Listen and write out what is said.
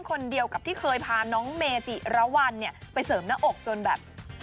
คนเดียวกับที่ทีเคยพาน้องเมจิรวรรณไปเสริมหน้าอกจนแบบเกือบตายอ่ะ